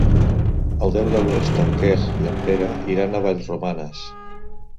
El deu d'agost en Quer i en Pere iran a Vallromanes.